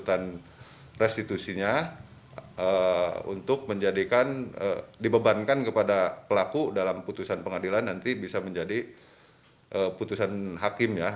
saya ingin menggabungkan tuntutan restitusinya untuk menjadikan dibebankan kepada pelaku dalam putusan pengadilan nanti bisa menjadi putusan hakim ya